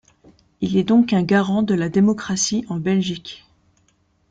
Il est donc un garant de la démocratie en Belgique.